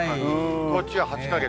こっちは８か月。